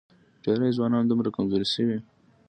ډېری ځوانان دومره کمزوري شوي